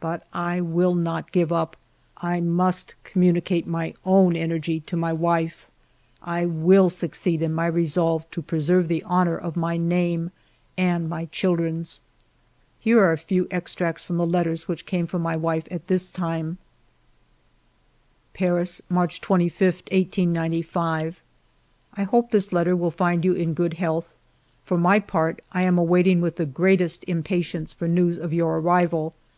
But I will not give up ; I must communicate my own energy to my wife. I will succeed in my resolve to preserve the honor of my name and my children's. Here are a few extracts from the letters which came from my wife at this time :— 148 FIVE YEARS OF MY LIFE "Paris, March 25, 1895. " I hope this .letter will find you in good health. ... For my part, I am waiting with the greatest impatience for news of your arrival.